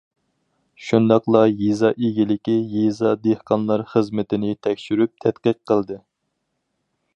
شۇنداقلا يېزا ئىگىلىكى، يېزا، دېھقانلار خىزمىتىنى تەكشۈرۈپ تەتقىق قىلدى.